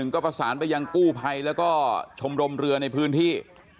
ก็ประสานไปยังกู้ภัยแล้วก็ชมรมเรือในพื้นที่